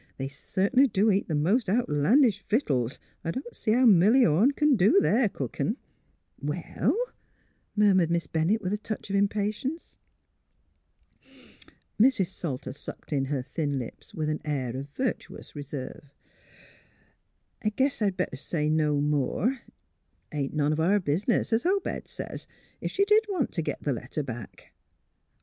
They certainly do eat the most outlandish vittles. I don't see how Milly Orne c'n do their cookin'." MALVINA POINTS A MORAL 177 *' Well? "murmured Miss Bennett, with a touch of impatience. Mrs. Salter sucked in her thin lips with an air of virtuous reserve. " I guess I'd better say no more. It ain't none o' our business, es Obed says, if she did want t' git the letter back."